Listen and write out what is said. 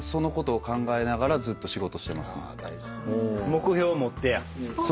・目標持ってや。